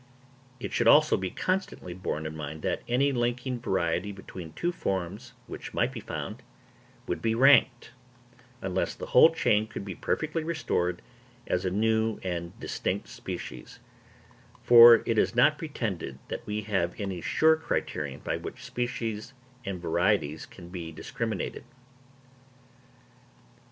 It should also be constantly borne in mind that any linking variety between two forms, which might be found, would be ranked, unless the whole chain could be perfectly restored, as a new and distinct species; for it is not pretended that we have any sure criterion by which species and varieties can be discriminated.